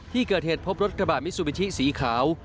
ที่เกิดเหตุพบรถกระบาดมิซูบิชิสีขาว